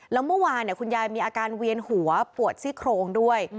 แล้วเมื่อวานคุณยายมีอาการเวียนหัวปวดซี่โครงด้วย